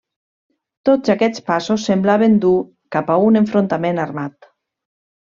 Tots aquests passos semblaven dur cap a un enfrontament armat.